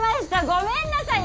ごめんなさい！